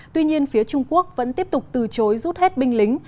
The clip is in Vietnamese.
tuy nhiên phía trung quốc vẫn tiếp tục từ chối rút hết binh lính